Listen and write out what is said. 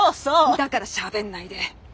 だからしゃべんないで。